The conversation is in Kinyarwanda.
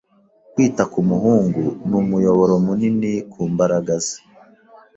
Kwita ku muhungu ni umuyoboro munini ku mbaraga ze.